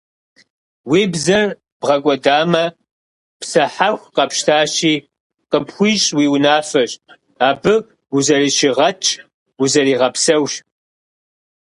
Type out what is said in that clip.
Уи бзэр бгъэкӀуэдамэ, псэ хьэху къэпщтащи, къыпхуищӀ уи унафэщ, абы узэрыщигъэтщ, узэригъэпсэущ.